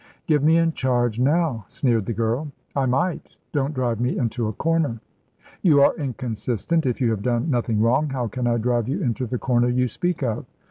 "Give me in charge now," sneered the girl. "I might. Don't drive me into a corner." "You are inconsistent. If you have done nothing wrong, how can I drive you into the corner you speak of?"